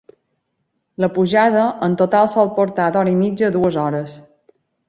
La pujada en total sol portar d'hora i mitja a dues hores.